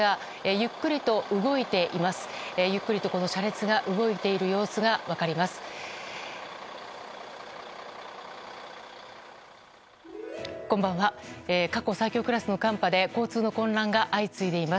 ゆっくりと車列が動いている様子が分かります。